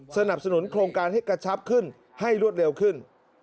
สนับสนุนโครงการให้กระชับขึ้นให้รวดเร็วขึ้น